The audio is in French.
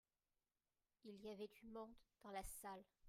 il y avait du monde dans la salle.